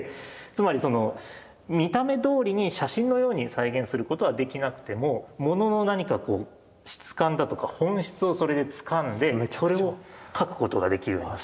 つまり見た目どおりに写真のように再現することはできなくてもモノの何かこう質感だとか本質をそれでつかんでそれを描くことができるような。